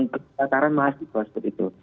kekataran mahasiswa seperti itu